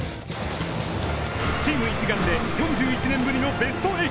チーム一丸で４１年ぶりのベスト８！